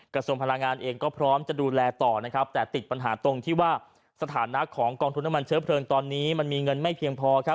กระทรวงพลังงานเองก็พร้อมจะดูแลต่อนะครับแต่ติดปัญหาตรงที่ว่าสถานะของกองทุนน้ำมันเชื้อเพลิงตอนนี้มันมีเงินไม่เพียงพอครับ